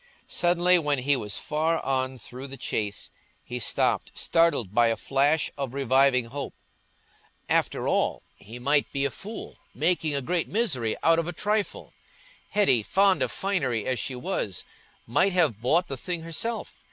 Suddenly, when he was far on through the Chase, he stopped, startled by a flash of reviving hope. After all, he might be a fool, making a great misery out of a trifle. Hetty, fond of finery as she was, might have bought the thing herself.